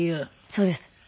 そうです。